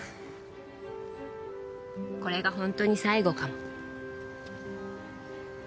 これが本当に最後かも。